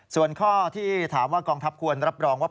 ส่วนข้อที่ถามว่ากองทัพควรรับรองว่า